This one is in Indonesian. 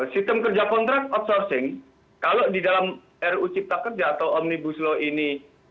sistem kerja kontrak outsourcing kalau di dalam ru cipta kerja atau omnibus law ini